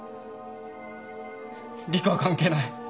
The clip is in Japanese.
陸は関係ない。